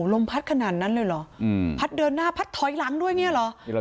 ลมพัดขนาดนั้นเลยเหรอพัดเดินหน้าพัดถอยหลังด้วยอย่างนี้เหรอ